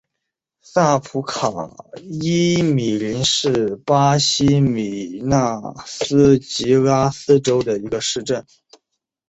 萨普卡伊米林是巴西米纳斯吉拉斯州的一个市镇。